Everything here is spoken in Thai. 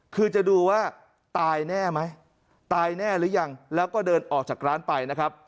คือจะดูว่าตายแน่ไหมตายแน่หรือยังแล้วก็เดินออกจากร้านไปนะครับ